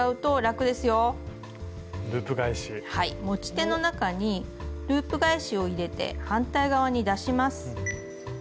持ち手の中にループ返しを入れて反対側に出します。